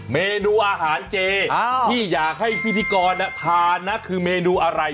เมนูอาหารเจที่อยากให้พิธีกรทานนะคือเมนูอะไร